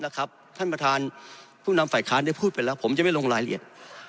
ท่านประธานผู้นำฝ่ายค้านได้พูดไปแล้วผมจะไม่ลงรายละเอียด